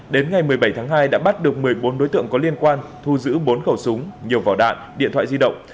đến ngày một mươi bảy tháng hai đã bắt được một mươi bốn đối tượng có liên quan thu giữ bốn khẩu súng nhiều vỏ đạn điện thoại di động